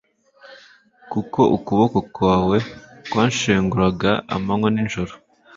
kuko ukuboko kwawe kwanshenguraga amanywa n’ijoro